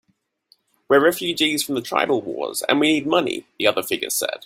"We're refugees from the tribal wars, and we need money," the other figure said.